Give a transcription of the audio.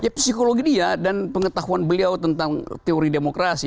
psikologi dia dan pengetahuan beliau tentang teori demokrasi